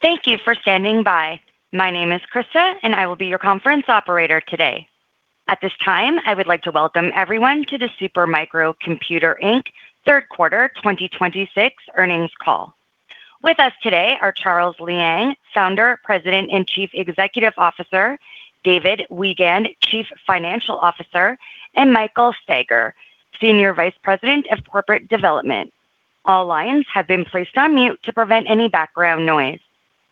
Thank you for standing by. My name is Krista, and I will be your conference operator today. At this time, I would like to welcome everyone to the Super Micro Computer Inc. third quarter 2026 earnings call. With us today are Charles Liang, Founder, President, and Chief Executive Officer, David Weigand, Chief Financial Officer, and Michael Staiger, Senior Vice President of Corporate Development. All lines have been placed on mute to prevent any background noise.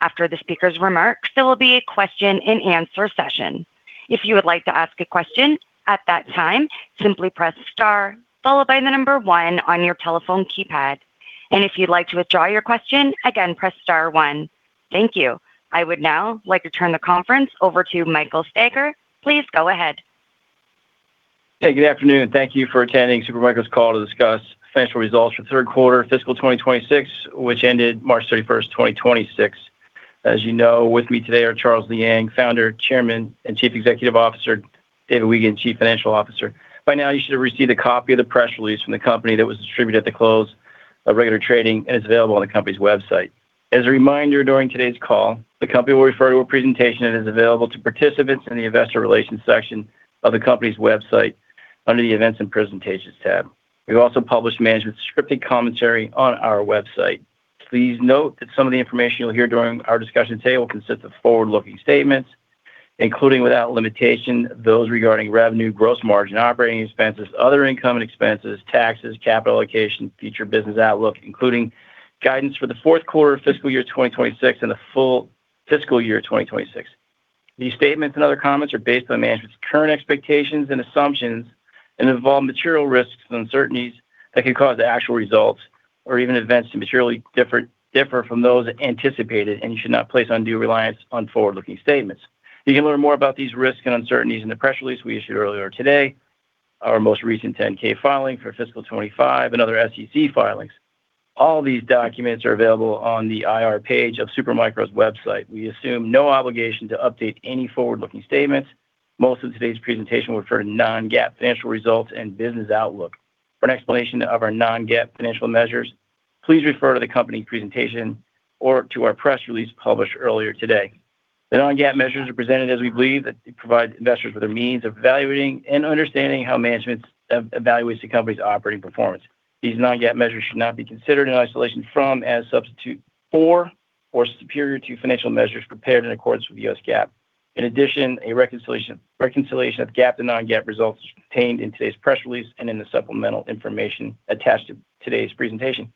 After the speaker's remarks, there will be a question-and-answer session. If you would like to ask a question at that time, simply press star followed by the number one on your telephone keypad. If you'd like to withdraw your question, again, press star 1. Thank you. I would now like to turn the conference over to Michael Staiger. Please go ahead. Hey, good afternoon. Thank you for attending Super Micro's call to discuss financial results for third quarter fiscal 2026, which ended March 31, 2026. As you know, with me today are Charles Liang, Founder, Chairman, and Chief Executive Officer, David Weigand, Chief Financial Officer. By now, you should have received a copy of the press release from the company that was distributed at the close of regular trading, and it's available on the company's website. As a reminder, during today's call, the company will refer to a presentation that is available to participants in the investor relations section of the company's website under the Events and Presentations tab. We've also published management's scripted commentary on our website. Please note that some of the information you'll hear during our discussion today will consist of forward-looking statements, including without limitation, those regarding revenue, gross margin, operating expenses, other income and expenses, taxes, capital allocation, future business outlook, including guidance for the fourth quarter fiscal year 2026 and the full fiscal year 2026. These statements and other comments are based on management's current expectations and assumptions and involve material risks and uncertainties that could cause the actual results or even events to materially differ from those anticipated. You should not place undue reliance on forward-looking statements. You can learn more about these risks and uncertainties in the press release we issued earlier today, our most recent 10-K filing for fiscal 2025, and other SEC filings. All these documents are available on the IR page of Super Micro's website. We assume no obligation to update any forward-looking statements. Most of today's presentation will refer to non-GAAP financial results and business outlook. For an explanation of our non-GAAP financial measures, please refer to the company presentation or to our press release published earlier today. The non-GAAP measures are presented as we believe that they provide investors with a means of evaluating and understanding how management evaluates the company's operating performance. These non-GAAP measures should not be considered in isolation from, as substitute for, or superior to financial measures prepared in accordance with the U.S. GAAP. In addition a reconciliation of GAAP to non-GAAP results is contained in today's press release and in the supplemental information attached to today's presentation.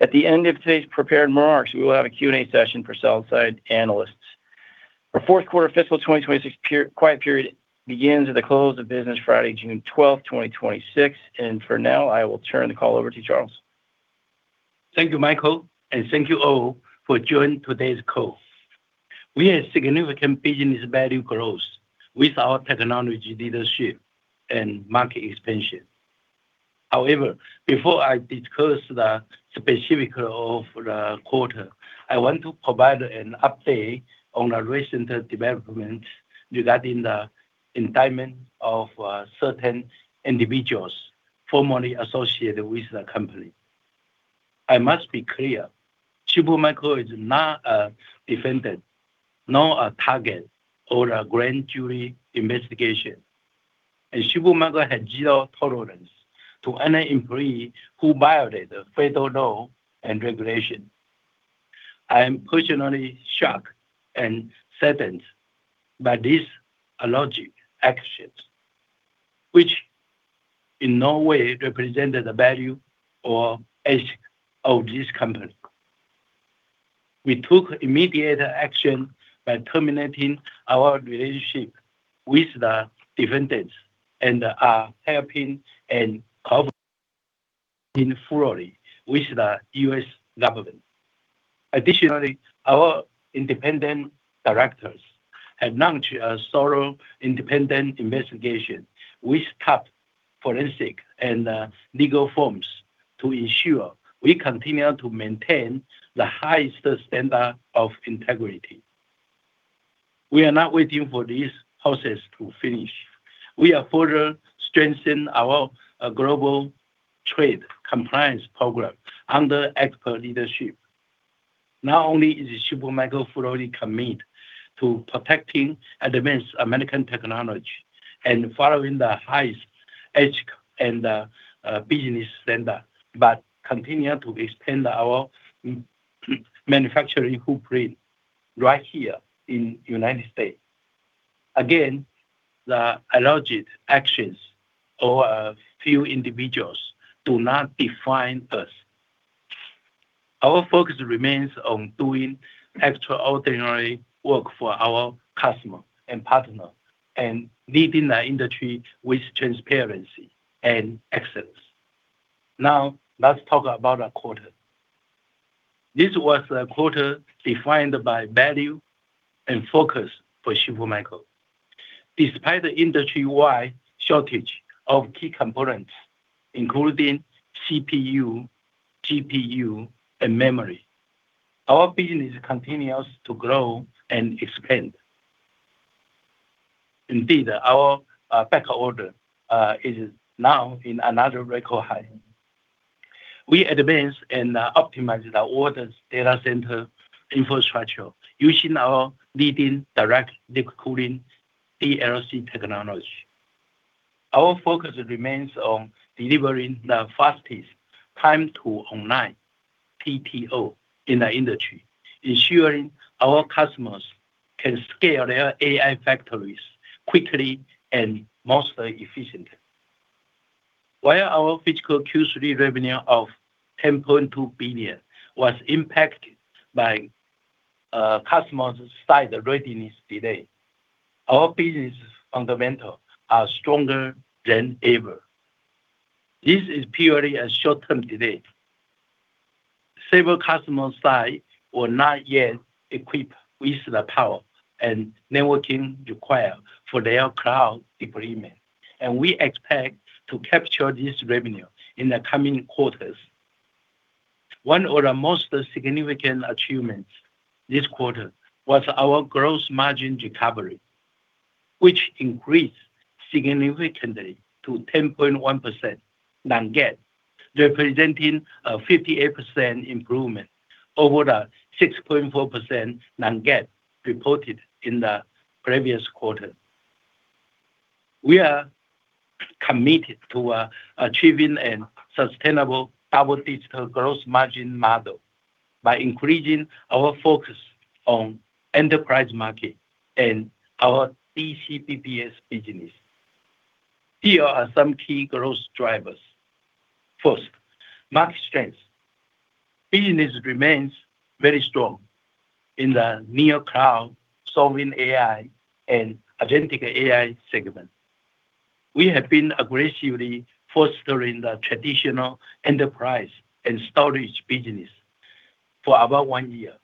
At the end of today's prepared remarks, we will have a Q&A session for sell-side analysts. Our fourth quarter fiscal 2026 quiet period begins at the close of business Friday, June 12, 2026. For now, I will turn the call over to Charles. Thank you, Michael, and thank you all for joining today's call. We have significant business value growth with our technology leadership and market expansion. However, before I discuss the specifics of the quarter, I want to provide an update on a recent development regarding the indictment of certain individuals formerly associated with the company. I must be clear, Super Micro is not a defendant, nor a target of a grand jury investigation. Super Micro has zero tolerance to any employee who violate the federal law and regulation. I am personally shocked and saddened by these alleged actions, which in no way represented the value or ethic of this company. We took immediate action by terminating our relationship with the defendants and are helping and cooperating fully with the U.S. government. Additionally, our independent directors have launched a thorough independent investigation with top forensic and legal firms to ensure we continue to maintain the highest standard of integrity. We are not waiting for this process to finish. We are further strengthening our global trade compliance program under expert leadership. Not only is Super Micro fully committed to protecting advanced American technology and following the highest ethical and business standard, but continuing to expand our manufacturing footprint right here in United States. Again, the alleged actions of a few individuals do not define us. Our focus remains on doing extraordinary work for our customers and partners and leading the industry with transparency and excellence. Now let's talk about our quarter. This was a quarter defined by value and focus for Super Micro. Despite the industry-wide shortage of key components, including CPU, GPU, and memory, our business continues to grow and expand. Indeed our backup order is now in another record high. We advance and optimize our orders data center infrastructure using our leading Direct Liquid Cooling DLC technology. Our focus remains on delivering the fastest time to online PTO in the industry, ensuring our customers can scale their AI factories quickly and most efficiently. Our fiscal Q3 revenue of $10.2 billion was impacted by customer site readiness delay, our business fundamentals are stronger than ever. This is purely a short-term delay. Several customer sites were not yet equipped with the power and networking required for their cloud deployment and we expect to capture this revenue in the coming quarters. One of the most significant achievements this quarter was our gross margin recovery, which increased significantly to 10.1% non-GAAP, representing a 58% improvement over the 6.4% non-GAAP reported in the previous quarter. We are committed to achieving a sustainable double-digit gross margin model by increasing our focus on enterprise market and our DCBBS business. Here are some key growth drivers. First, market strength. Business remains very strong in the NeoCloud, Sovereign AI, and agentic AI segments. We have been aggressively fostering the traditional enterprise and storage business for about one year,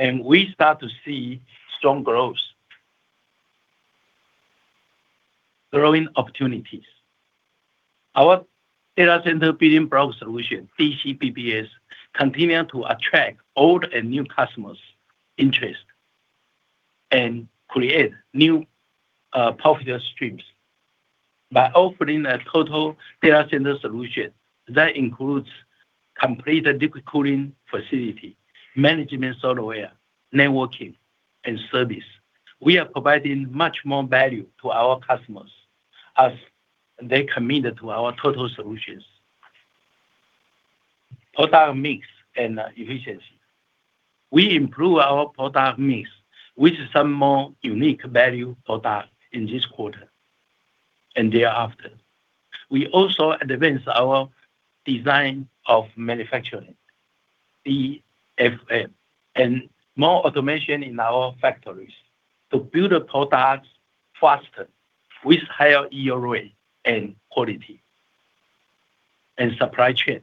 and we start to see strong growth. Growing opportunities. Our Data Center Building Block Solutions, DCBBS, continue to attract old and new customers' interest and create new profit streams. By offering a total data center solution that includes complete liquid cooling facility, management software, networking, and service, we are providing much more value to our customers as they commit to our total solutions. Product mix and efficiency. We improve our product mix with some more unique value products in this quarter and thereafter. We also advance our design of manufacturing, DFM, and more automation in our factories to build the products faster with higher yield rate and quality. Supply chain.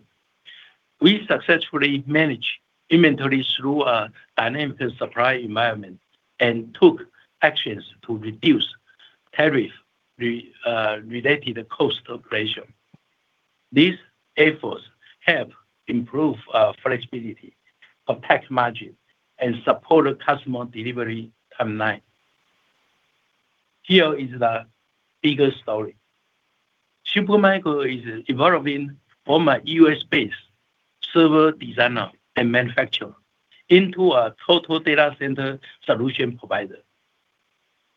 We successfully manage inventory through a dynamic supply environment and took actions to reduce tariff related cost inflation. These efforts help improve flexibility, protect margin, and support customer delivery timeline. Here is the bigger story. Super Micro is evolving from a U.S.-based server designer and manufacturer into a total data center solution provider.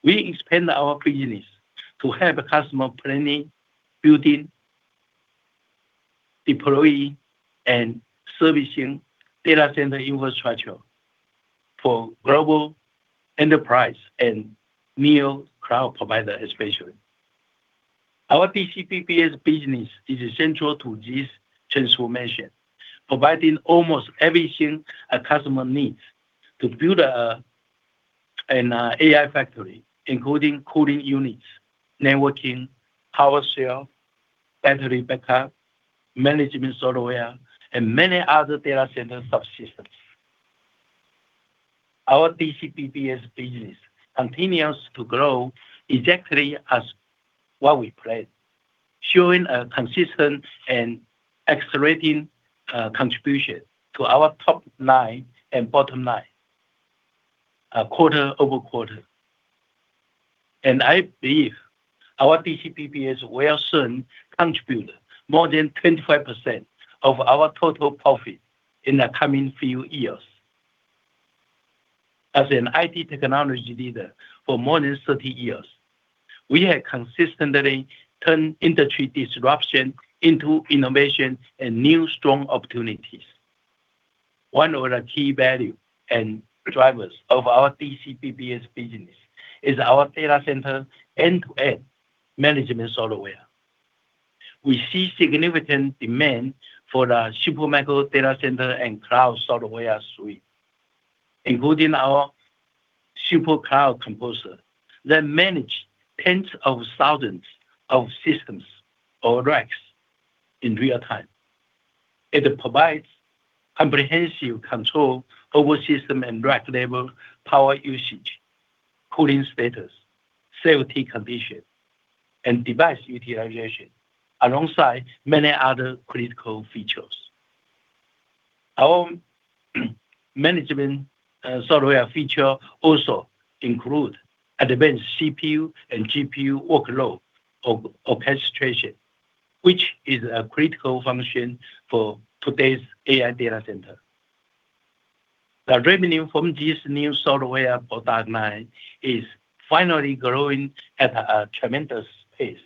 We expand our business to help customer planning, building, deploying, and servicing data center infrastructure for global enterprise and NeoCloud provider especially. Our DCBBS business is central to this transformation, providing almost everything a customer needs to build an AI factory, including cooling units, networking, power shelf, battery backup, management software, and many other data center subsystems. Our DCBBS business continues to grow exactly as what we planned, showing a consistent and accelerating contribution to our top line and bottom line quarter-over-quarter. I believe our DCBBS will soon contribute more than 25% of our total profit in the coming few years. As an IT technology leader for more than 30 years, we have consistently turned industry disruption into innovation and new strong opportunities. One of the key value and drivers of our DCBBS business is our data center end-to-end management software. We see significant demand for the Supermicro data center and cloud software suite, including our SuperCloud Composer that manage tens of thousands of systems or racks in real time. It provides comprehensive control over system and rack level power usage, cooling status, safety condition, and device utilization, alongside many other critical features. Our management software feature also include advanced CPU and GPU workload or orchestration, which is a critical function for today's AI data center. The revenue from this new software product line is finally growing at a tremendous pace,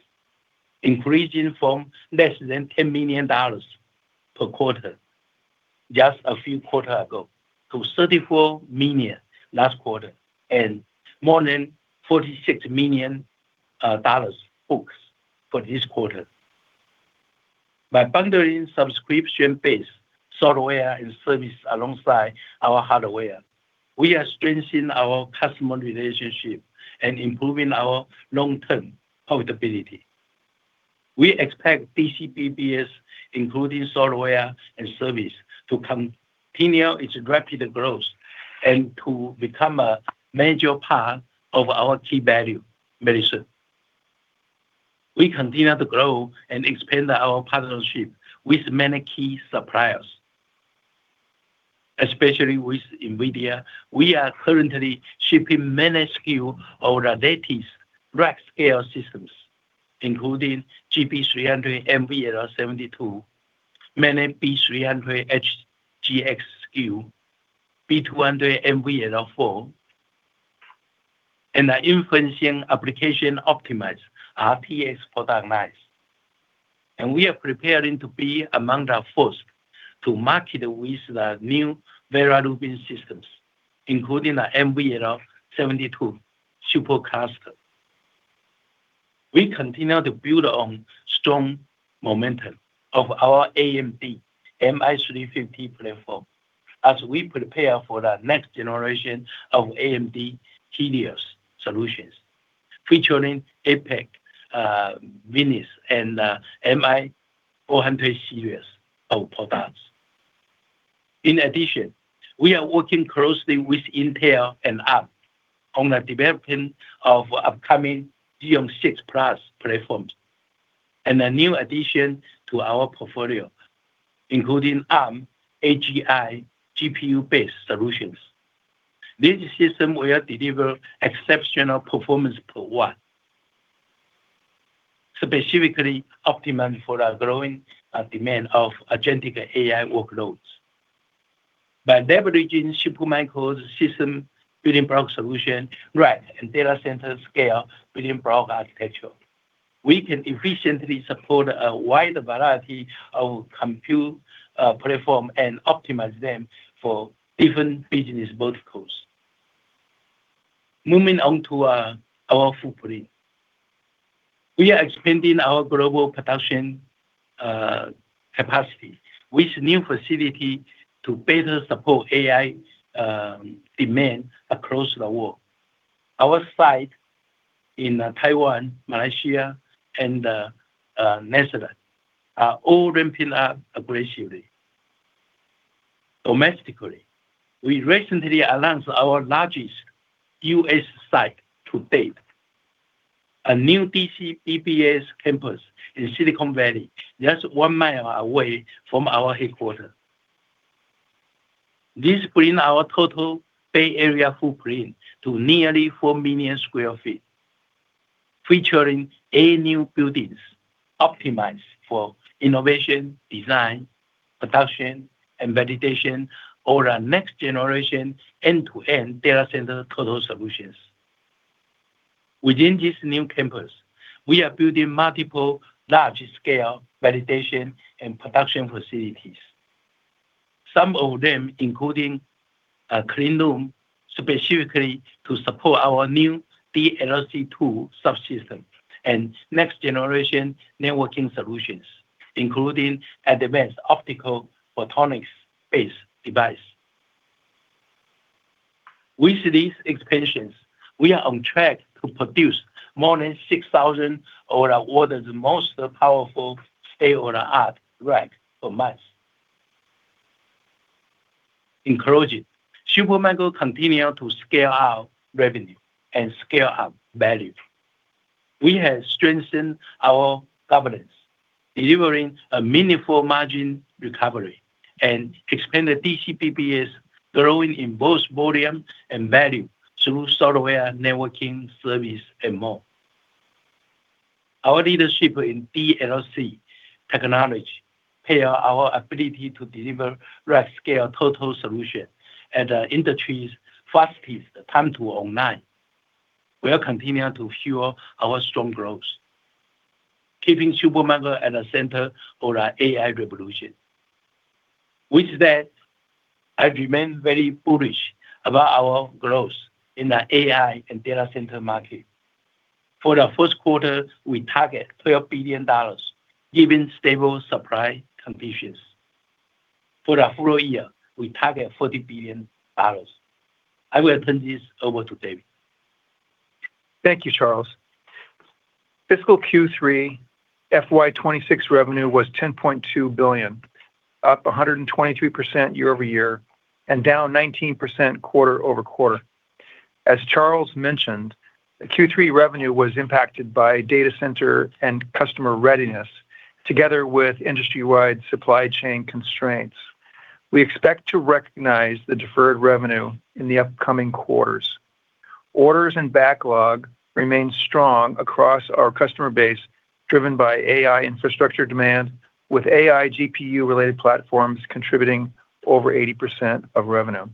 increasing from less than $10 million per quarter just a few quarter ago to $34 million last quarter and more than $46 million booked for this quarter. By bundling subscription-based software and service alongside our hardware, we are strengthening our customer relationship and improving our long-term profitability. We expect DCBBS, including software and service, to continue its rapid growth and to become a major part of our key value very soon. We continue to grow and expand our partnership with many key suppliers, especially with NVIDIA. We are currently shipping many SKU of our latest rack scale systems, including GB300 NVL72, many B300 HGX SKU, B200 NVL4, and our Dolphin Express PX product lines. We are preparing to be among the first to market with the new Vera Rubin systems, including the NVL72 super cluster. We continue to build on strong momentum of our AMD MI350 platform as we prepare for the next generation of AMD CDNA solutions, featuring EPYC, Venice, and MI400 series of products. In addition, we are working closely with Intel and Arm on the development of upcoming Xeon 6+ platforms and a new addition to our portfolio, including Arm AGI GPU-based solutions. This system will deliver exceptional performance per watt, specifically optimum for our growing demand of agentic AI workloads. By leveraging Supermicro's system building block solution rack and Data Center Scale Building Block Architecture, we can efficiently support a wide variety of compute platform and optimize them for different business verticals. Moving on to our footprint. We are expanding our global production capacity with new facility to better support AI demand across the world. Our site in Taiwan, Malaysia, and Netherlands are all ramping up aggressively. Domestically, we recently announced our largest U.S. site to date, a new DCBBS campus in Silicon Valley, just 1 mile away from our headquarters. This bring our total Bay Area footprint to nearly four million sq ft, featuring eight new buildings optimized for innovation, design, production, and validation over our next-generation end-to-end Data Center Product Solutions. Within this new campus, we are building multiple large-scale validation and production facilities. Some of them including a clean room specifically to support our new DLC-2 subsystem and next-generation networking solutions, including advanced optical photonics-based device. With these expansions, we are on track to produce more than 6,000 of the world's most powerful state-of-the-art rack for mounts. In closing, Supermicro continue to scale out revenue and scale up value. We have strengthened our governance, delivering a meaningful margin recovery and expanded DCBBS, growing in both volume and value through software, networking, service and more. Our leadership in DLC technology pair our ability to deliver rack scale total solution at an industry's fastest time to online will continue to fuel our strong growth, keeping Supermicro at the center of the AI revolution. With that, I remain very bullish about our growth in the AI and data center market. For the first quarter, we target $12 billion, given stable supply conditions. For the full year, we target $40 billion. I will turn this over to David. Thank you, Charles. Fiscal Q3 FY 2026 revenue was $10.2 billion, up 123% year-over-year and down 19% quarter-over-quarter. As Charles mentioned, the Q3 revenue was impacted by data center and customer readiness together with industry-wide supply chain constraints. We expect to recognize the deferred revenue in the upcoming quarters. Orders and backlog remain strong across our customer base, driven by AI infrastructure demand with AI GPU-related platforms contributing over 80% of revenue.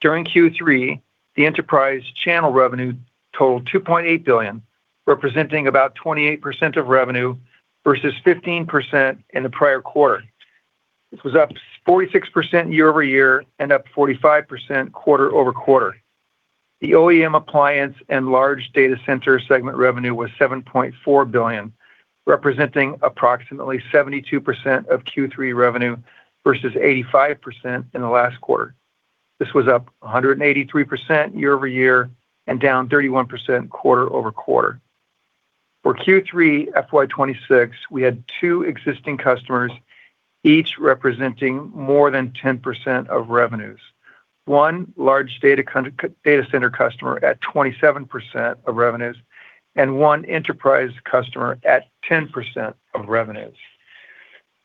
During Q3, the enterprise channel revenue totaled $2.8 billion, representing about 28% of revenue versus 15% in the prior quarter. This was up 46% year-over-year and up 45% quarter-over-quarter. The OEM appliance and large data center segment revenue was $7.4 billion, representing approximately 72% of Q3 revenue versus 85% in the last quarter. This was up 183% year-over-year and down 31% quarter-over-quarter. For Q3 FY 2026, we had two existing customers, each representing more than 10% of revenues. One large data center customer at 27% of revenues and one enterprise customer at 10% of revenues.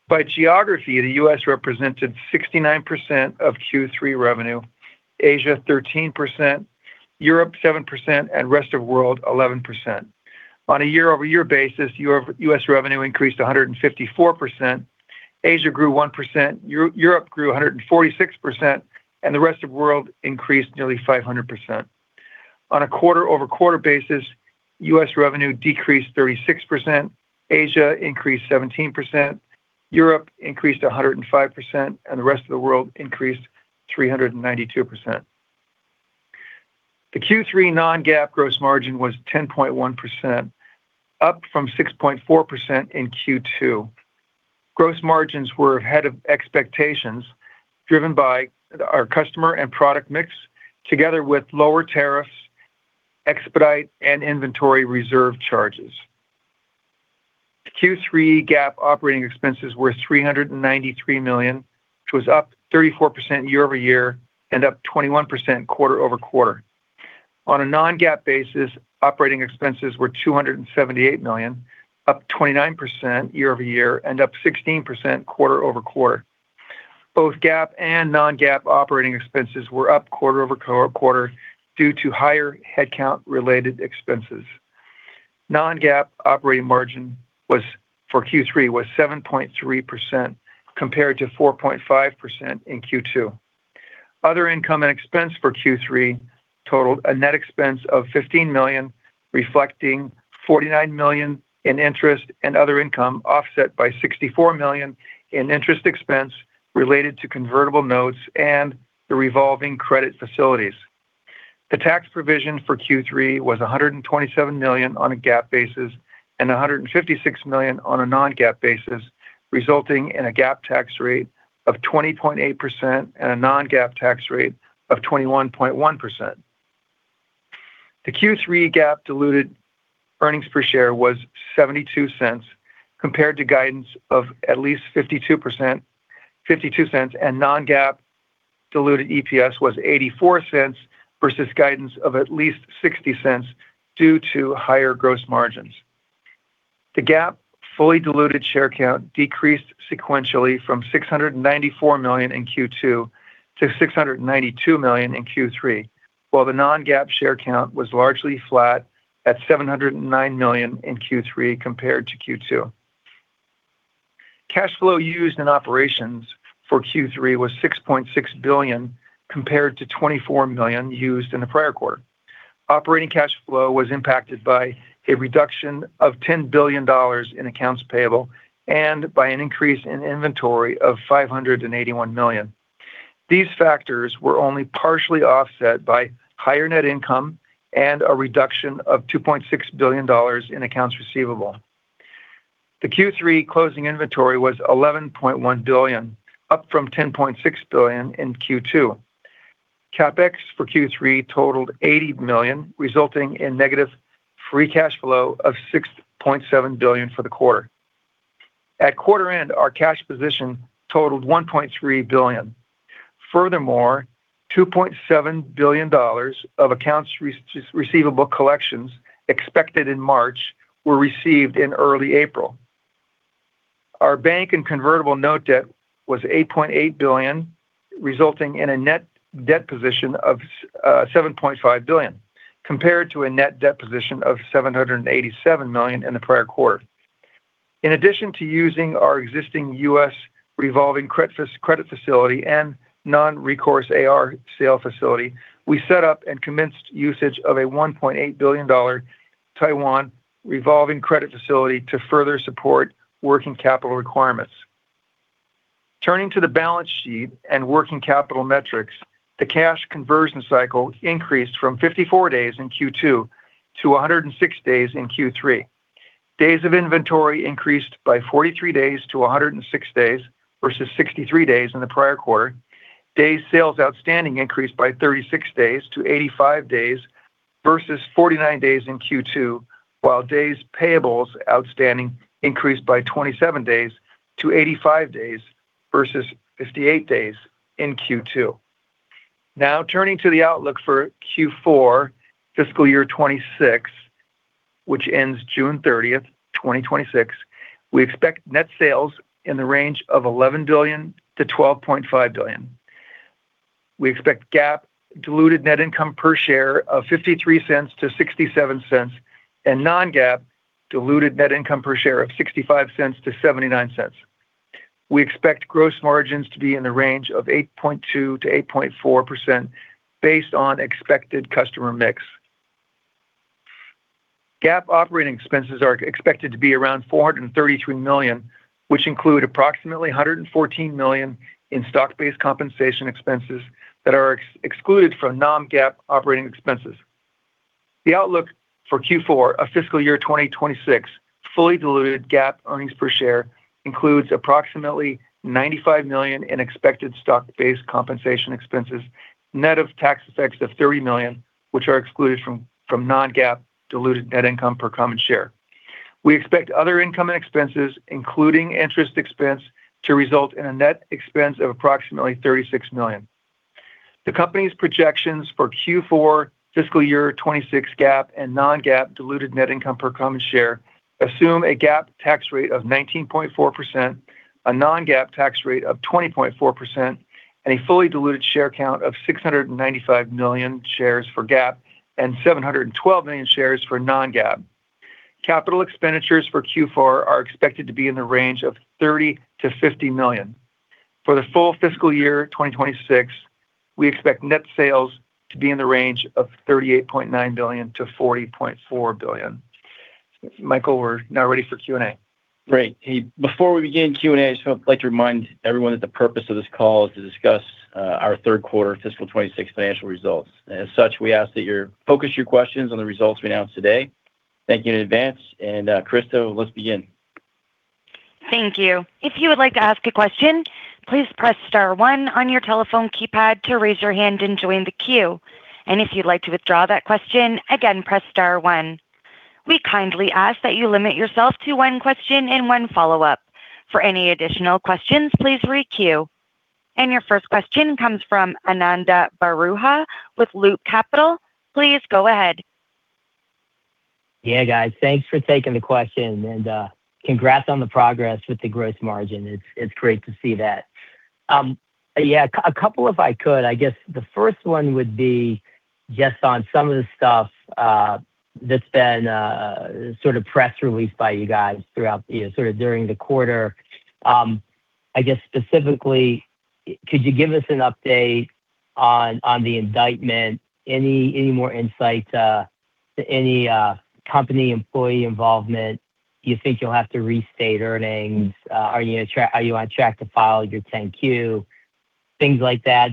By geography, the U.S. represented 69% of Q3 revenue, Asia 13%, Europe 7%, and rest of world 11%. On a year-over-year basis, U.S. revenue increased 154%, Asia grew 1%, Europe grew 146%, and the rest of world increased nearly 500%. On a quarter-over-quarter basis, U.S. revenue decreased 36%, Asia increased 17%, Europe increased 105%, and the rest of the world increased 392%. The Q3 non-GAAP gross margin was 10.1%, up from 6.4% in Q2. Gross margins were ahead of expectations, driven by our customer and product mix together with lower tariffs, expedite, and inventory reserve charges. The Q3 GAAP operating expenses were $393 million, which was up 34% year-over-year and up 21% quarter-over-quarter. On a non-GAAP basis, operating expenses were $278 million, up 29% year-over-year and up 16% quarter-over-quarter. Both GAAP and non-GAAP operating expenses were up quarter-over-quarter due to higher headcount-related expenses. Non-GAAP operating margin for Q3 was 7.3% compared to 4.5% in Q2. Other income and expense for Q3 totaled a net expense of $15 million, reflecting $49 million in interest and other income offset by $64 million in interest expense related to convertible notes and the revolving credit facilities. The tax provision for Q3 was $127 million on a GAAP basis and $156 million on a non-GAAP basis, resulting in a GAAP tax rate of 20.8% and a non-GAAP tax rate of 21.1%. The Q3 GAAP diluted earnings per share was $0.72 compared to guidance of at least $0.52, and non-GAAP diluted EPS was $0.84 versus guidance of at least $0.60 due to higher gross margins. The GAAP fully diluted share count decreased sequentially from 694 million in Q2 to 692 million in Q3, while the non-GAAP share count was largely flat at 709 million in Q3 compared to Q2. Cash flow used in operations for Q3 was $6.6 billion compared to $24 million used in the prior quarter. Operating cash flow was impacted by a reduction of $10 billion in accounts payable and by an increase in inventory of $581 million. These factors were only partially offset by higher net income and a reduction of $2.6 billion in accounts receivable. The Q3 closing inventory was $11.1 billion, up from $10.6 billion in Q2. CapEx for Q3 totaled $80 million, resulting in negative free cash flow of $6.7 billion for the quarter. At quarter end, our cash position totaled $1.3 billion. Furthermore, $2.7 billion of accounts receivable collections expected in March were received in early April. Our bank and convertible note debt was $8.8 billion, resulting in a net debt position of $7.5 billion, compared to a net debt position of $787 million in the prior quarter. In addition to using our existing U.S. revolving credit facility and non-recourse accounts receivable facility, we set up and commenced usage of a $1.8 billion Taiwan revolving credit facility to further support working capital requirements. Turning to the balance sheet and working capital metrics, the cash conversion cycle increased from 54 days in Q2 to 106 days in Q3. Days of inventory increased by 43 days to 106 days versus 63 days in the prior quarter. Days sales outstanding increased by 36 days to 85 days. Versus 49 days in Q2, while days payables outstanding increased by 27 days to 85 days versus 58 days in Q2. Turning to the outlook for Q4 fiscal year 2026, which ends June 30th, 2026, we expect net sales in the range of $11 billion-$12.5 billion. We expect GAAP diluted net income per share of $0.53-$0.67 and non-GAAP diluted net income per share of $0.65-$0.79. We expect gross margins to be in the range of 8.2%-8.4% based on expected customer mix. GAAP operating expenses are expected to be around $433 million, which include approximately $114 million in stock-based compensation expenses that are excluded from non-GAAP operating expenses. The outlook for Q4 of fiscal year 2026 fully diluted GAAP earnings per share includes approximately $95 million in expected stock-based compensation expenses, net of tax effects of $30 million, which are excluded from non-GAAP diluted net income per common share. We expect other income and expenses, including interest expense, to result in a net expense of approximately $36 million. The company's projections for Q4 FY 2026 GAAP and non-GAAP diluted net income per common share assume a GAAP tax rate of 19.4%, a non-GAAP tax rate of 20.4%, and a fully diluted share count of 695 million shares for GAAP and 712 million shares for non-GAAP. Capital Expenditures for Q4 are expected to be in the range of $30 million-$50 million. For the full FY 2026, we expect net sales to be in the range of $38.9 billion-$40.4 billion. Michael, we're now ready for Q&A. Great. Hey, before we begin Q&A, I just like to remind everyone that the purpose of this call is to discuss our third quarter fiscal 2026 financial results. As such, we ask that you focus your questions on the results we announced today. Thank you in advance. Christo, let's begin. Thank you. If you would like to ask a question, please press star one on your telephone keypad to raise your hand and join the queue. If you'd like to withdraw that question, again, press star one. We kindly ask that you limit yourself to one question and 1 follow-up. For any additional questions, please re-queue. Your first question comes from Ananda Baruah with Loop Capital. Please go ahead. Yeah, guys, thanks for taking the question, and congrats on the progress with the gross margin. It's great to see that. Yeah, a couple if I could. I guess the first one would be just on some of the stuff that's been sort of press released by you guys throughout the year, sort of during the quarter. I guess specifically, could you give us an update on the indictment? Any more insight to any company employee involvement? Do you think you'll have to restate earnings? Are you on track to file your 10-Q? Things like that.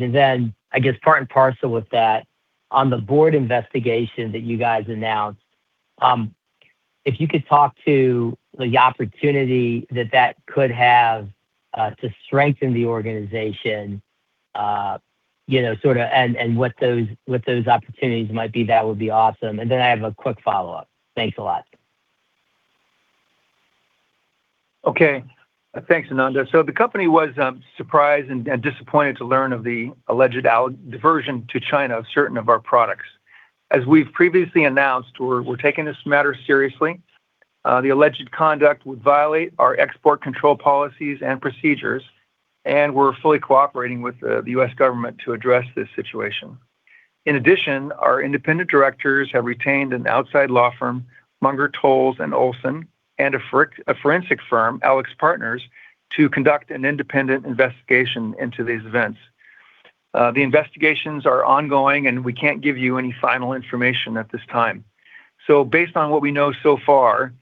I guess part and parcel with that, on the board investigation that you guys announced, if you could talk to the opportunity that, that could have to strengthen the organization, you know, sorta, and what those opportunities might be, that would be awesome. I have a quick follow-up. Thanks a lot. Okay. Thanks, Ananda. The company was surprised and disappointed to learn of the alleged diversion to China of certain of our products. As we've previously announced, we're taking this matter seriously. The alleged conduct would violate our export control policies and procedures, and we're fully cooperating with the U.S. government to address this situation. In addition, our independent directors have retained an outside law firm, Munger, Tolles & Olson, and a forensic firm, AlixPartners, to conduct an independent investigation into these events. The investigations are ongoing, and we can't give you any final information at this time. Based on what we know so far,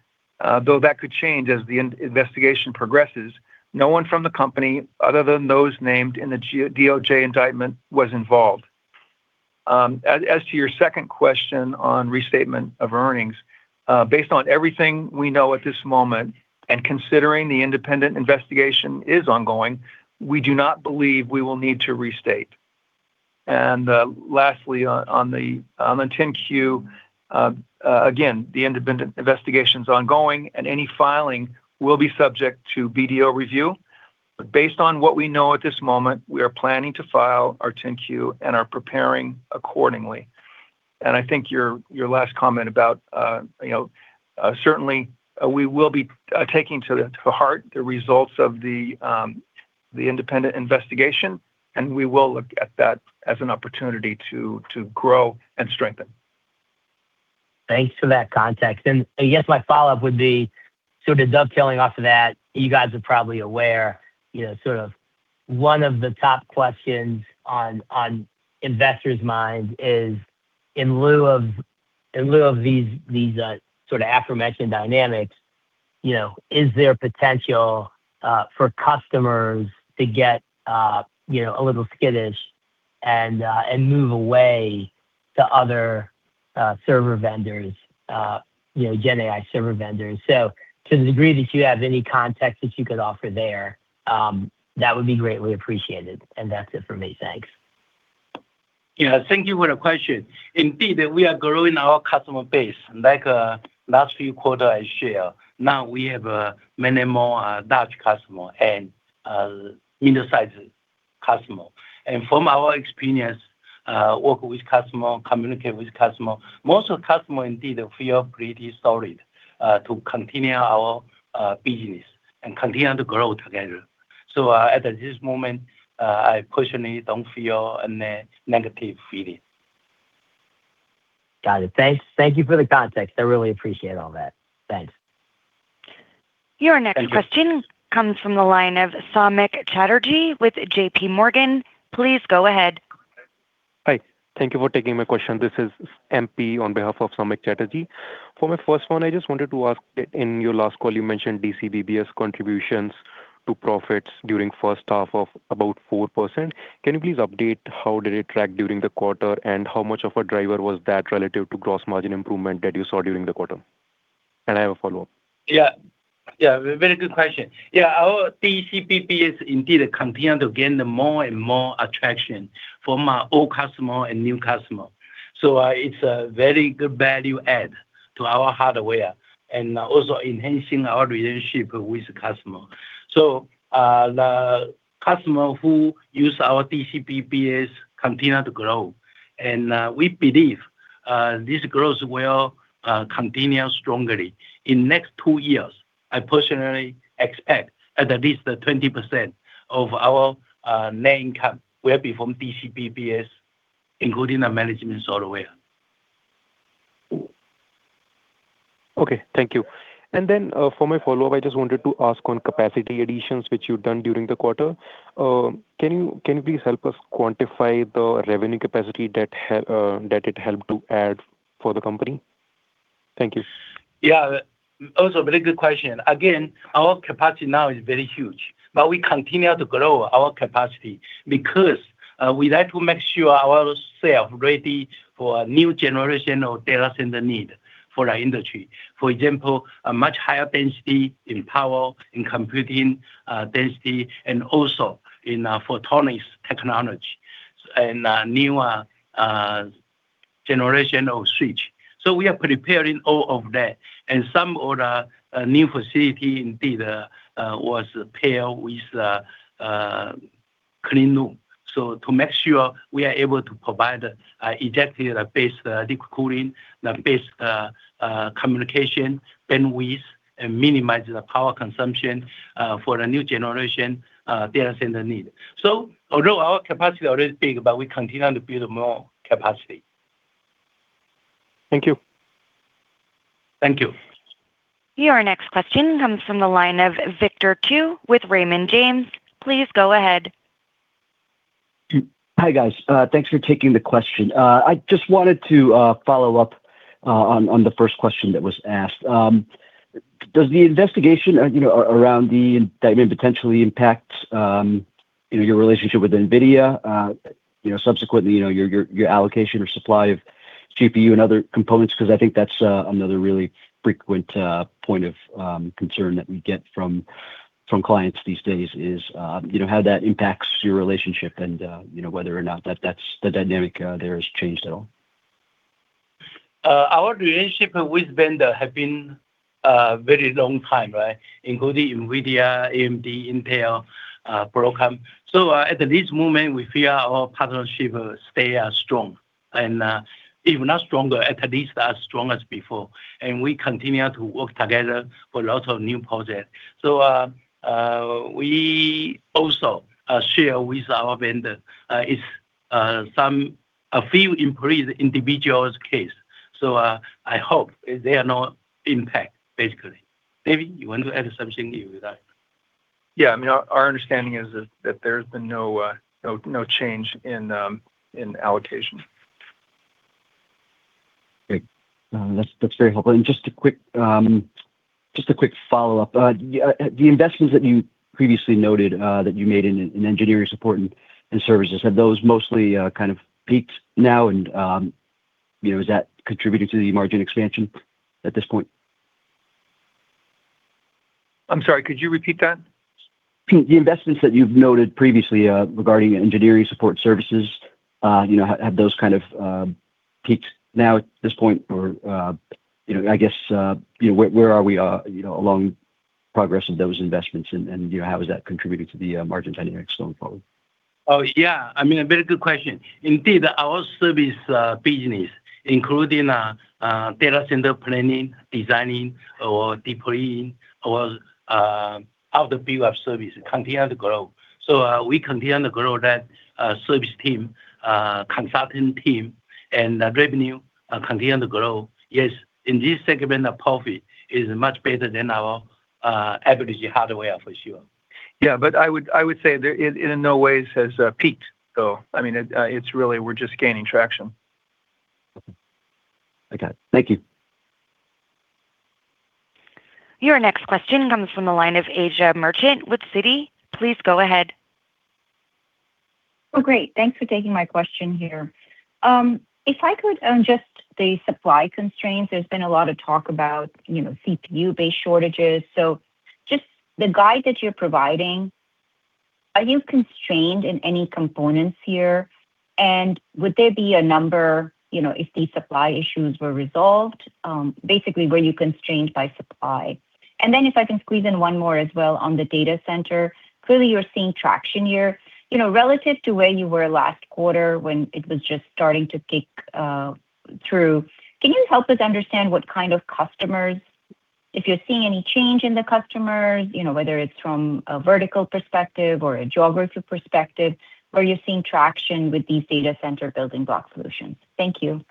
though that could change as the investigation progresses, no one from the company, other than those named in the DOJ indictment, was involved. As to your second question on restatement of earnings, based on everything we know at this moment and considering the independent investigation is ongoing, we do not believe we will need to restate. Lastly, on the 10-Q, again, the independent investigation's ongoing, and any filing will be subject to BDO review. Based on what we know at this moment, we are planning to file our 10-Q and are preparing accordingly. I think your last comment about, you know, certainly, we will be taking to heart the results of the independent investigation, and we will look at that as an opportunity to grow and strengthen. Thanks for that context. I guess my follow-up would be sort of dovetailing off of that. You guys are probably aware, you know, sort of one of the top questions on investors' minds is, in lieu of these sort of aforementioned dynamics, you know, is there potential for customers to get, you know, a little skittish and move away to other server vendors, you know, GenAI server vendors? To the degree that you have any context that you could offer there, that would be greatly appreciated. That's it for me. Thanks. Yeah, thank you for the question. Indeed, we are growing our customer base. Like, last few quarter I share, now we have many more, large customer and middle-sized customer. From our experience, work with customer, communicate with customer, most of customer indeed feel pretty solid, to continue our business and continue to grow together. At this moment, I personally don't feel a negative feeling. Got it. Thanks. Thank you for the context. I really appreciate all that. Thanks. Your next question. Thank you. Comes from the line of Samik Chatterjee with JPMorgan. Please go ahead. Hi. Thank you for taking my question. This is MP on behalf of Samik Chatterjee. My first one, I just wanted to ask, in your last call, you mentioned DCBBS contributions to profits during first half of about 4%. Can you please update how did it track during the quarter, and how much of a driver was that relative to gross margin improvement that you saw during the quarter? I have a follow-up. Yeah, very good question. Yeah, our DCBBS indeed continue to gain more and more attraction from our old customer and new customer. It's a very good value add to our hardware, and also enhancing our relationship with customer. The customer who use our DCBBS continue to grow, and we believe this growth will continue strongly. In next two years, I personally expect at least 20% of our net income will be from DCBBS, including the management software. Okay. Thank you. Then, for my follow-up, I just wanted to ask on capacity additions which you've done during the quarter. Can you please help us quantify the revenue capacity that it helped to add for the company? Thank you. Yeah. Also very good question. Again, our capacity now is very huge, but we continue to grow our capacity because we like to make sure ourselves ready for a new generation of data center need for our industry. For example, a much higher density in power, in computing density, and also in photonics technology, and newer generation of switch. We are preparing all of that. Some of the new facility indeed was pair with clean room. To make sure we are able to provide effective base liquid cooling base communication bandwidth, and minimize the power consumption for the new generation data center need. Although our capacity already is big, but we continue to build more capacity. Thank you. Thank you. Your next question comes from the line of Victor Chiu with Raymond James. Please go ahead. Hi, guys. Thanks for taking the question. I just wanted to follow up on the first question that was asked. Does the investigation, you know, around the, that may potentially impact, you know, your relationship with NVIDIA, you know, subsequently, you know, your allocation or supply of GPU and other components? Cause I think that's another really frequent point of concern that we get from clients these days is, you know, how that impacts your relationship and, you know, whether or not that's the dynamic there has changed at all. Our relationship with vendor have been very long time, right? Including NVIDIA, AMD, Intel, Broadcom. At this moment, we feel our partnership stay strong. If not stronger, at least as strong as before. We continue to work together for lot of new project. We also share with our vendor, it's some, a few employees individuals case. I hope they are not impact, basically. David, you want to add something new with that? Yeah. I mean, our understanding is that there's been no change in allocation. Great. That's very helpful. Just a quick follow-up. The investments that you previously noted that you made in engineering support and services, have those mostly kind of peaked now and, you know, is that contributing to the margin expansion at this point? I'm sorry, could you repeat that? The investments that you've noted previously, regarding engineering support services, you know, have those kind of, peaked now at this point or, you know, I guess, you know, where are we, you know, along progress of those investments and, you know, how has that contributed to the margin dynamics going forward? Oh, yeah. I mean, a very good question. Indeed, our service business, including data center planning, designing or deploying. Our service continue to grow. We continue to grow that service team, consulting team, and the revenue continue to grow. Yes, in this segment, the profit is much better than our average hardware for sure. I would say there it in no ways has peaked though. I mean, it's really we're just gaining traction. Okay. Thank you. Your next question comes from the line of Asiya Merchant with Citigroup. Please go ahead. Oh, great. Thanks for taking my question here. If I could on just the supply constraints, there's been a lot of talk about, you know, CPU-based shortages. Just the guide that you're providing, are you constrained in any components here? Would there be a number, you know, if these supply issues were resolved, basically were you constrained by supply? Then if I can squeeze in one more as well on the data center. Clearly, you're seeing traction here. You know, relative to where you were last quarter when it was just starting to kick through, can you help us understand what kind of customers, if you're seeing any change in the customers, you know, whether it's from a vertical perspective or a geographic perspective, where you're seeing traction with these Data Center Building Block Solutions? Thank you.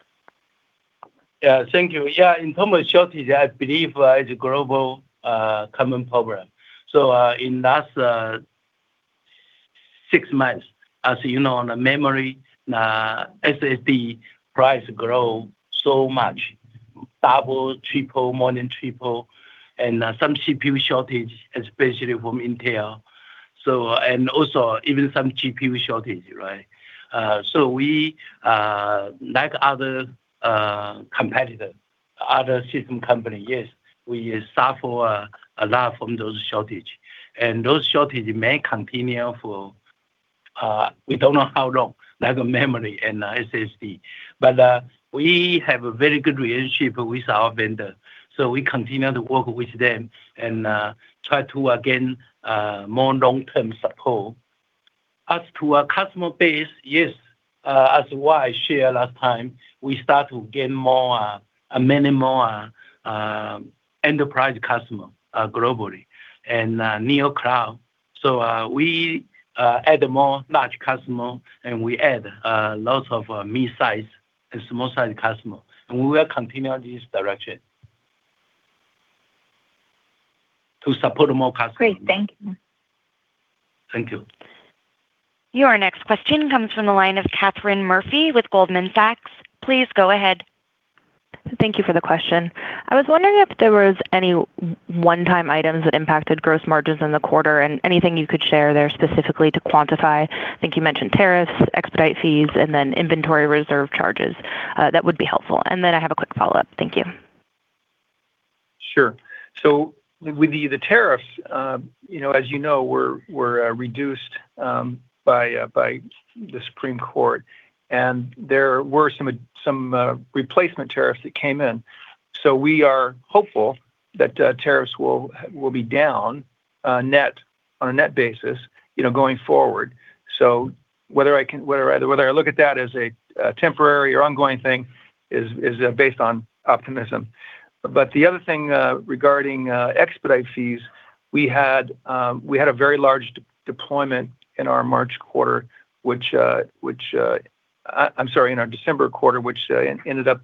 Thank you. In terms of shortage, I believe it's a global common problem. In last six months, as you know, on a memory, SSD price grow so much, double, triple, more than triple, and some CPU shortage, especially from Intel and also some GPU shortage, right. We, like other competitor, other system company, yes, we suffer a lot from those shortage. Those shortage may continue for we don't know how long, like memory and SSD. We have a very good relationship with our vendor, so we continue to work with them and try to gain more long-term support. As to our customer base, yes, as what I share last time, we start to gain more, many more enterprise customer globally and NeoCloud. We add more large customer, and we add lots of mid-size and small size customer. We will continue this direction to support more customers. Great. Thank you. Thank you. Your next question comes from the line of Katherine Murphy with Goldman Sachs. Please go ahead. Thank you for the question. I was wondering if there were any one-time items that impacted gross margins in the quarter, and anything you could share there specifically to quantify. I think you mentioned tariffs, expedited fees, and then inventory reserve charges. That would be helpful. Then I have a quick follow-up. Thank you. Sure. With the tariffs, you know, as you know, were reduced by the Supreme Court, and there were some replacement tariffs that came in. We are hopeful that tariffs will be down net, on a net basis, you know, going forward. Whether I look at that as a temporary or ongoing thing is based on optimism. The other thing regarding expedite fees, we had a very large deployment in our March quarter, which, in our December quarter, which ended up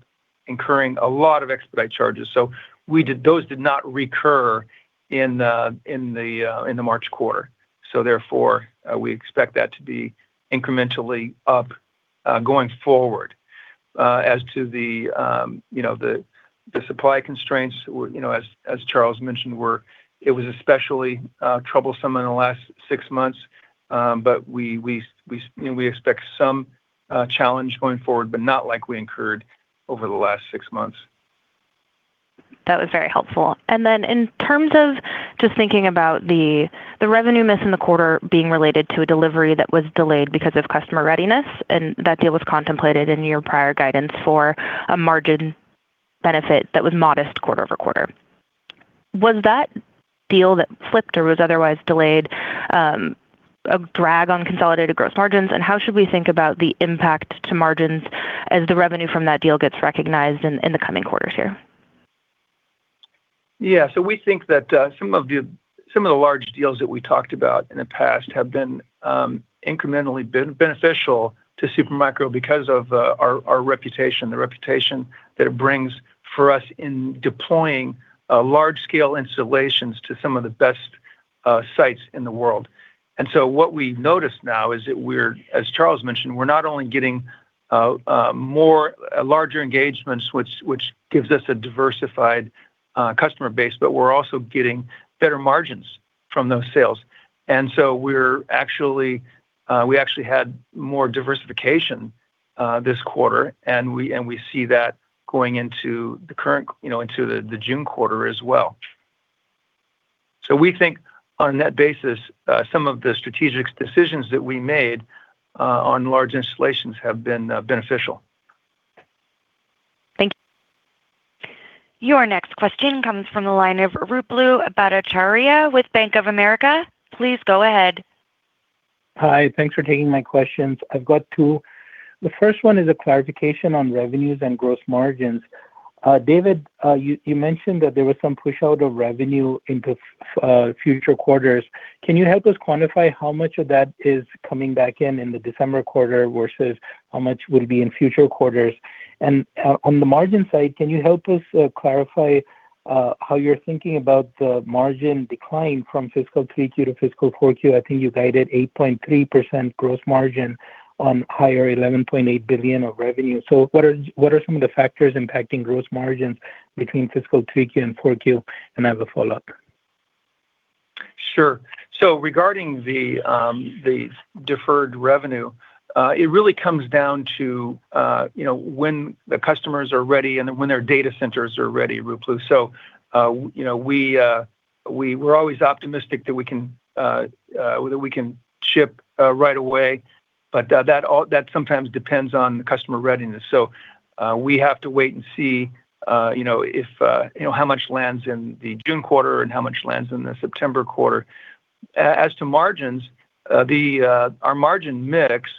incurring a lot of expedite charges. Those did not recur in the March quarter. Therefore, we expect that to be incrementally up going forward. As to the, you know, the supply constraints, you know, as Charles mentioned, it was especially troublesome in the last six months. We, we expect some challenge going forward, but not like we incurred over the last six months. That was very helpful. In terms of just thinking about the revenue miss in the quarter being related to a delivery that was delayed because of customer readiness, and that deal was contemplated in your prior guidance for a margin benefit that was modest quarter-over-quarter. Was that deal that flipped or was otherwise delayed a drag on consolidated gross margins? How should we think about the impact to margins as the revenue from that deal gets recognized in the coming quarters here? Yeah. We think that some of the large deals that we talked about in the past have been incrementally beneficial to Supermicro because of our reputation, the reputation that it brings for us in deploying large scale installations to some of the best sites in the world. What we notice now is that as Charles mentioned, we're not only getting more larger engagements, which gives us a diversified customer base, but we're also getting better margins from those sales. We actually had more diversification this quarter, and we see that going into the current, you know, into the June quarter as well. We think on net basis, some of the strategic decisions that we made on large installations have been beneficial. Thank you. Your next question comes from the line of Ruplu Bhattacharya with Bank of America. Please go ahead. Hi. Thanks for taking my questions. I've got two. The first one is a clarification on revenues and gross margins. David, you mentioned that there was some push out of revenue into future quarters. Can you help us quantify how much of that is coming back in the December quarter versus how much will it be in future quarters? On the margin side, can you help us clarify how you're thinking about the margin decline from fiscal three quarter, fiscal four quarter? I think you guided 8.3% gross margin on higher $11.8 billion of revenue. What are some of the factors impacting gross margins between fiscal 3Q and 4Q? I have a follow-up. Sure. Regarding the deferred revenue, it really comes down to, you know, when the customers are ready and when their data centers are ready, Ruplu. You know, we're always optimistic that we can ship right away, but that sometimes depends on the customer readiness. We have to wait and see, you know, if, you know, how much lands in the June quarter and how much lands in the September quarter. As to margins, the our margin mix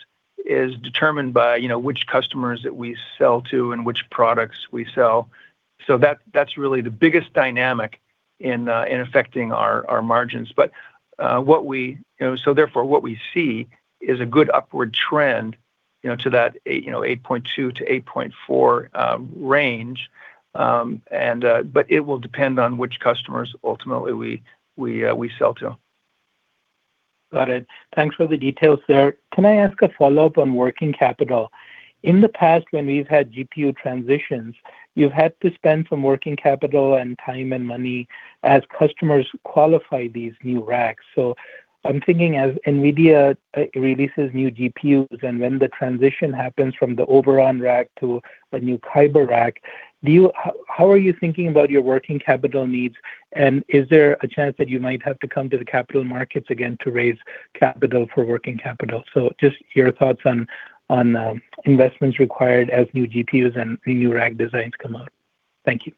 is determined by, you know, which customers that we sell to and which products we sell, so that's really the biggest dynamic in affecting our margins. What we, you know, so therefore what we see is a good upward trend, you know, to that $8.2-$8.4 range. It will depend on which customers ultimately we sell to. Got it. Thanks for the details there. Can I ask a follow-up on working capital? In the past when we've had GPU transitions, you've had to spend some working capital, and time, and money as customers qualify these new racks. I'm thinking as NVIDIA releases new GPUs and when the transition happens from the Oberon rack to the new Kyber rack, how are you thinking about your working capital needs, and is there a chance that you might have to come to the capital markets again to raise capital for working capital? Just your thoughts on investments required as new GPUs and new rack designs come out. Thank you.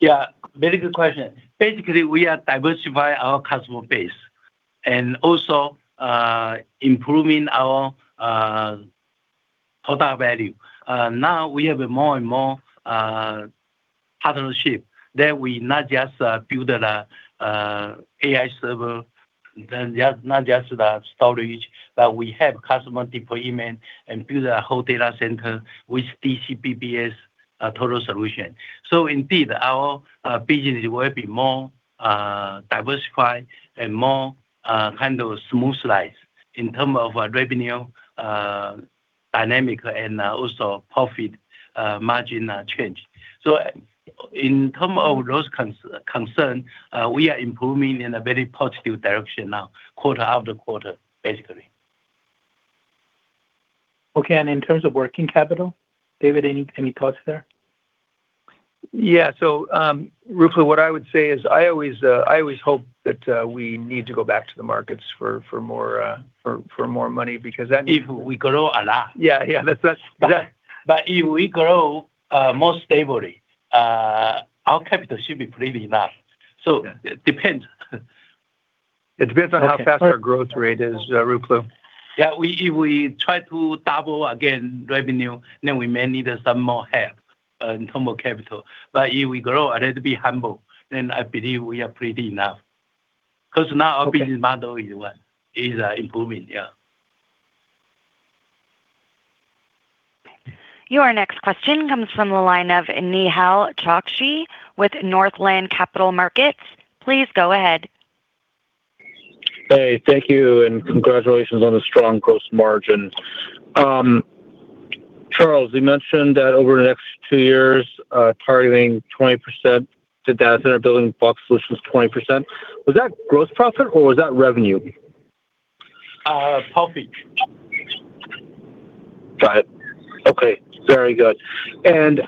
Yeah, very good question. Basically, we are diversify our customer base. Also, improving our total value. Now we have a more and more partnership that we not just build a AI server, then yeah, not just the storage, but we have customer deployment and build a whole data center with DCBBS total solution. Indeed our business will be more diversified and more kind of smooth slides in term of our revenue dynamic and also profit margin change. In term of those concern, we are improving in a very positive direction now, quarter-after-quarter, basically. Okay. In terms of working capital, David, any thoughts there? Yeah. Ruplu, what I would say is I always, I always hope that we need to go back to the markets for more money because that means. If we grow a lot. Yeah. That's. If we grow more stably, our capital should be pretty enough. It depends. It depends on how fast our growth rate is, Ruplu. Yeah. We, if we try to double again revenue, then we may need some more help in term of capital. If we grow a little bit humble, then I believe we are pretty enough. 'Cause now our business model is improving. Yeah. Your next question comes from the line of Nehal Chokshi with Northland Capital Markets. Please go ahead. Hey, thank you, and congratulations on the strong gross margin. Charles, you mentioned that over the next two years, targeting 20% the Data Center Building Block Solutions 20%. Was that gross profit or was that revenue? Profit. Got it. Okay. Very good. I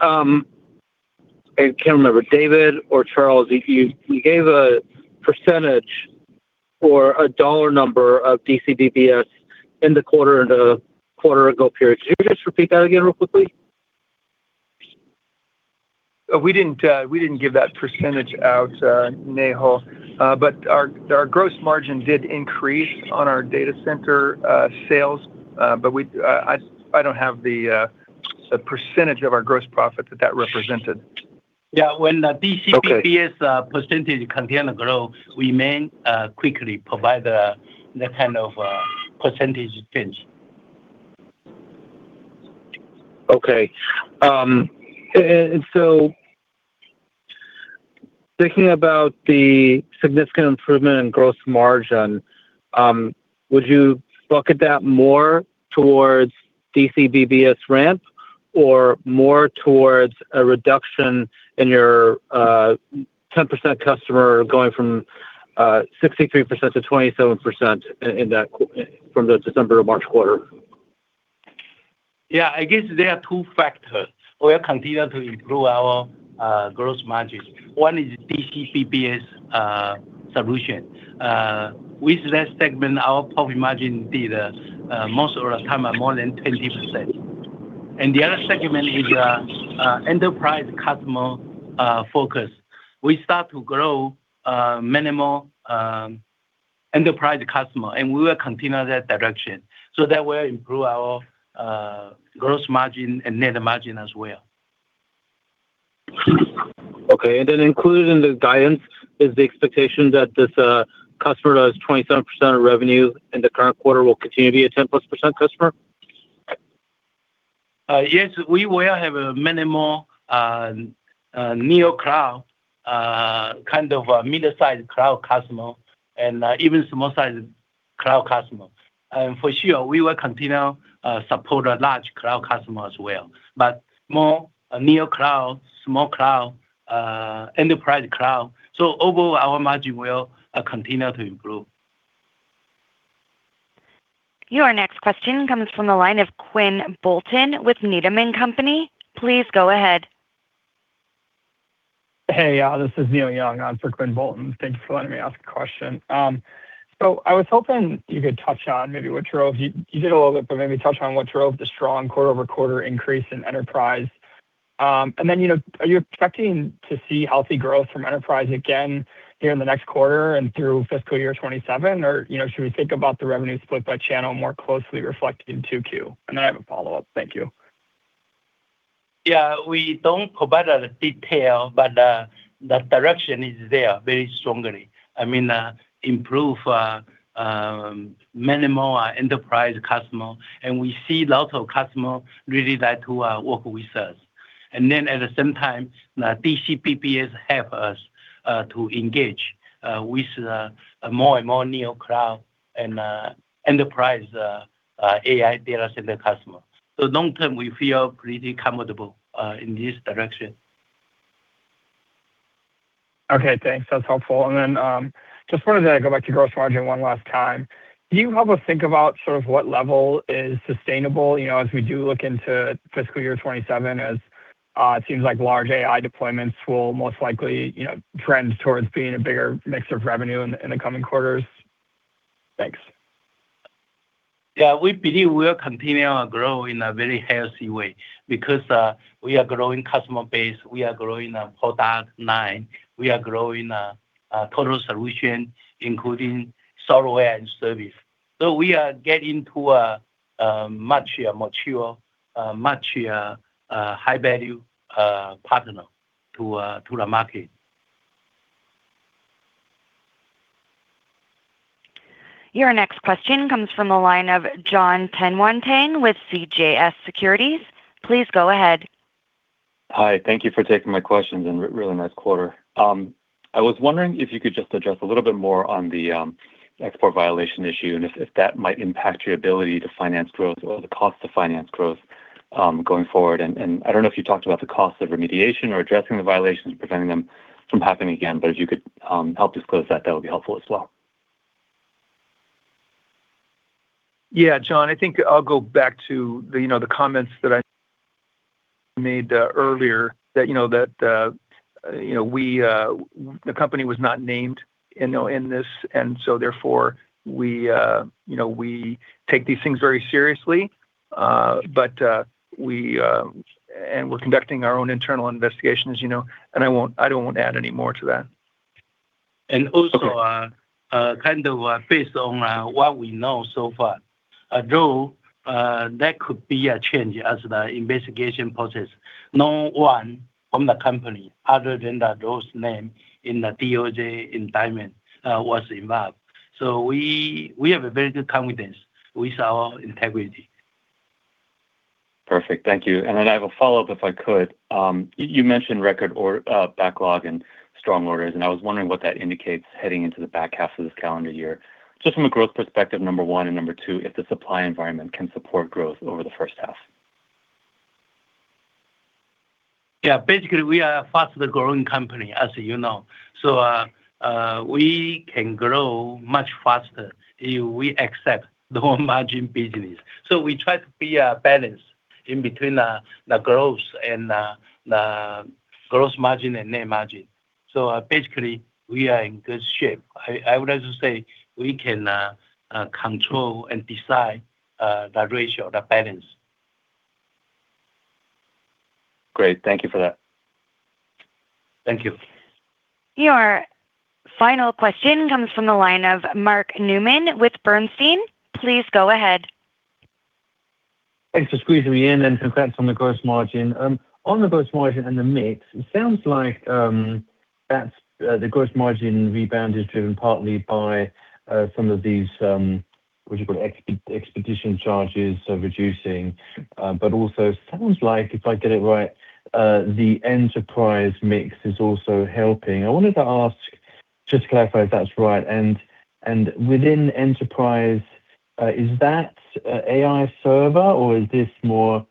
can't remember, David or Charles, you gave a percentage or a dollar number of DCBBS in the quarter, in the quarter ago period. Could you just repeat that again real quickly? We didn't give that percentage out, Nehal. Our gross margin did increase on our data center sales. I don't have the percentage of our gross profit that that represented. Yeah. Okay When the DCBBS, percentage continue to grow, we may, quickly provide the kind of, percentage change. Okay. Thinking about the significant improvement in gross margin, would you look at that more towards DCBBS ramp or more towards a reduction in your 10% customer going from 63%-27% in that from the December-March quarter? Yeah. I guess there are two factors we are continue to improve our gross margins. One is DCBBS solution. With that segment our profit margin be the most of the time are more than 20%. The other segment is enterprise customer focus. We start to grow minimal enterprise customer, and we will continue that direction. That will improve our gross margin and net margin as well. Okay. Then included in the guidance is the expectation that this customer that is 27% of revenue in the current quarter will continue to be a 10+% customer? Yes. We will have a minimal NeoCloud, kind of a mid-sized cloud customer and even small size cloud customer. For sure, we will continue support a large cloud customer as well. More NeoCloud, small cloud, Enterprise cloud. Overall, our margin will continue to improve. Your next question comes from the line of Quinn Bolton with Needham & Company. Please go ahead. Hey, this is Neil Young on for Quinn Bolton. Thank you for letting me ask a question. I was hoping you could touch on maybe what drove the strong quarter-over-quarter increase in enterprise. You know, are you expecting to see healthy growth from enterprise again here in the next quarter and through fiscal year 2027? You know, should we think about the revenue split by channel more closely reflected in 2Q? I have a follow-up. Thank you. We don't provide the detail, the direction is there very strongly. I mean, improve many more enterprise customer, we see lots of customer really like to work with us. At the same time, the DCBBS help us to engage with more and more NeoCloud and Enterprise AI data center customer. Long term, we feel really comfortable in this direction. Okay, thanks. That's helpful. Just wanted to go back to gross margin one last time. Do you have a think about sort of what level is sustainable, you know, as we do look into fiscal year 2027, as it seems like large AI deployments will most likely, you know, trend towards being a bigger mix of revenue in the coming quarters? Thanks. Yeah. We believe we'll continue to grow in a very healthy way because, we are growing customer base, we are growing a product line, we are growing a total solution, including software and service. We are getting to a, much mature, much, high value, partner to the market. Your next question comes from the line of Jon Tanwanteng with CJS Securities. Please go ahead. Hi. Thank you for taking my questions. Really nice quarter. I was wondering if you could just address a little bit more on the export violation issue and if that might impact your ability to finance growth or the cost to finance growth going forward. I don't know if you talked about the cost of remediation or addressing the violations, preventing them from happening again, but if you could help disclose that would be helpful as well. Yeah. Jon, I think I'll go back to the, you know, the comments that I made earlier that, you know, that, you know, we, the company was not named in this. Therefore, we, you know, we take these things very seriously. We are conducting our own internal investigation, as you know, and I don't want to add any more to that. Also, kind of, based on, what we know so far, although, that could be a change as the investigation process. No one from the company other than those named in the DOJ indictment, was involved. We have a very good confidence with our integrity. Perfect. Thank you. I have a follow-up, if I could. You mentioned record or backlog and strong orders. I was wondering what that indicates heading into the back half of this calendar year, just from a growth perspective, number one, and number two, if the supply environment can support growth over the first half. Yeah. Basically, we are a faster growing company, as you know. We can grow much faster if we accept the whole margin business. We try to be a balance in between the growth and the growth margin and net margin. Basically, we are in good shape. I would also say we can control and decide the ratio, the balance. Great. Thank you for that. Thank you. Your final question comes from the line of Mark Newman with Bernstein. Please go ahead. Thanks for squeezing me in and congrats on the gross margin. On the gross margin and the mix, it sounds like that's the gross margin rebound is driven partly by some of these what you call expedition charges are reducing. Also sounds like, if I get it right, the enterprise mix is also helping. I wanted to ask just to clarify if that's right. Within Enterprise, is that AI server or is this more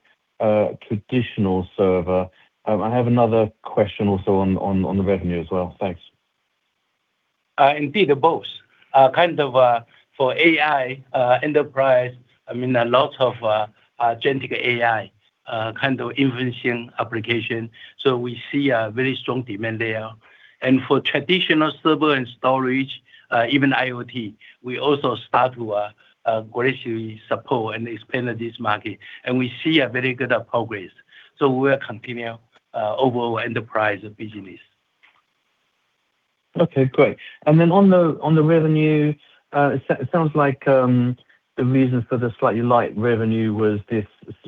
traditional server? I have another question also on the revenue as well. Thanks. Indeed both. For AI Enterprise, I mean, a lot of agentic AI kind of invention application. We see a very strong demand there. For traditional server and storage, even IoT, we also start to gradually support and expand this market. We see a very good progress. We'll continue overall enterprise business. Okay, great. On the revenue, it sounds like the reasons for the slightly light revenue was this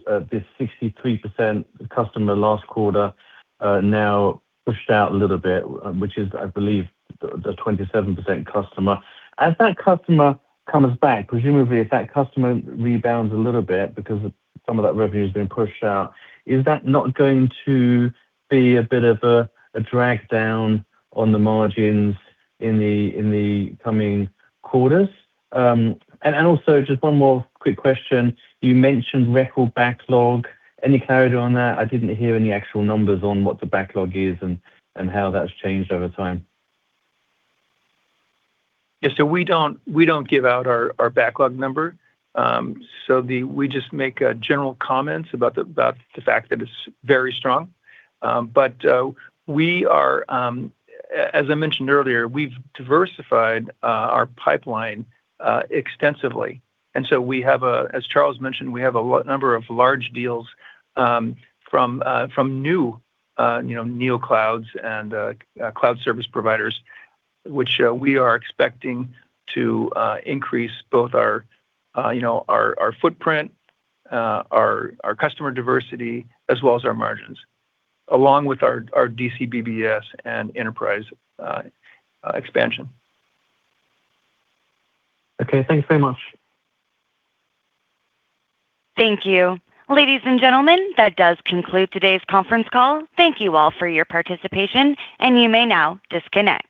63% customer last quarter, now pushed out a little bit, which is, I believe, the 27% customer. As that customer comes back, presumably if that customer rebounds a little bit because of some of that revenue has been pushed out, is that not going to be a bit of a drag down on the margins in the coming quarters? Just one more quick question. You mentioned record backlog. Any clarity on that? I didn't hear any actual numbers on what the backlog is and how that's changed over time. Yeah. We don't give out our backlog number. We just make general comments about the fact that it's very strong. We are as I mentioned earlier, we've diversified our pipeline extensively. We have a, as Charles mentioned, we have a number of large deals from new, you know, NeoClouds and cloud service providers, which we are expecting to increase both our, you know, our footprint, our customer diversity, as well as our margins, along with our DCBBS and enterprise expansion. Okay. Thank you very much. Thank you. Ladies and gentlemen, that does conclude today's conference call. Thank you all for your participation. You may now disconnect.